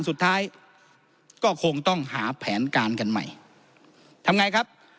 สุดท้ายก็คงต้องหาแผนการกันใหม่ทำไงครับ